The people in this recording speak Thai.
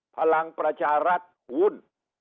พลังประชารัฐวุ่น